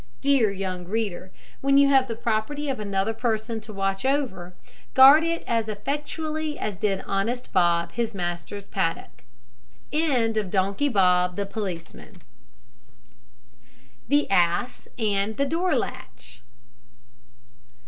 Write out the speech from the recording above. Dear young reader, when you have the property of another person to watch over, guard it as effectually as did honest Bob his master's paddock. THE ASS AND THE DOOR LATCH.